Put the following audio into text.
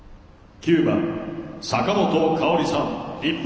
９番坂本花織さん、日本。